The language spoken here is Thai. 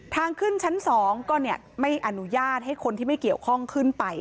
ทางขึ้นชั้น๒ก็ไม่อนุญาตให้คนที่ไม่เกี่ยวข้องขึ้นไป